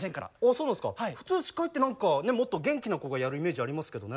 そうなんですか普通司会って何かもっと元気な子がやるイメージありますけどね。